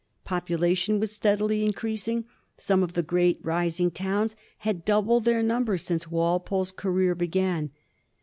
Population was steadily increasing ; some of the great rising towns had doubled their numbers since Walpole's career began.